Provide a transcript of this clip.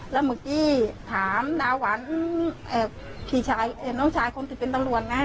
แล้วเมื่อกี้ถามนาหวันพี่น้องชายคนที่เป็นตำรวจไง